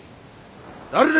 誰だ？